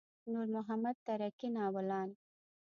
نور محمد تره کي ناولان.